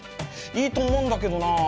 いいと思うんだけどな。